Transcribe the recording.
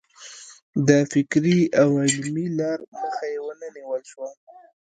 د فکري او علمي لار مخه یې ونه نیول شوه.